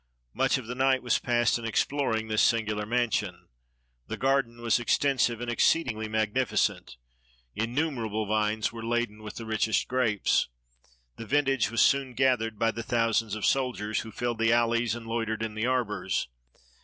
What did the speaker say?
Much of the night was passed in exploring this singular mansion. The garden was extensive and exceedingly magnificent. Innumerable vines were laden with the richest grapes. The vintage was soon gathered by the thousands of soldiers who filled the alleys and loitered in the arbors.